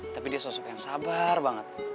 tapi dia sosok yang sabar banget